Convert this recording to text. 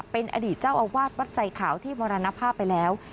เป็นอดีตเจ้าอาวาสวัดไสขาวที่มรณภาพไปแล้ว